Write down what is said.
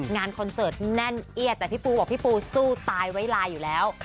คอนเสิร์ตแน่นเอียดแต่พี่ปูบอกพี่ปูสู้ตายไว้ลายอยู่แล้ว